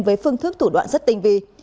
với phương thức thủ đoạn rất tinh vi